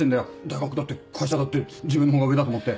大学だって会社だって自分のほうが上だと思って。